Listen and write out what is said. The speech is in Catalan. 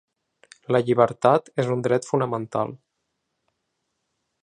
La llibertat és un dret fonamental.